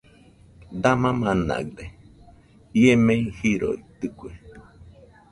!Dama manaɨde¡ ie mei jiroitɨke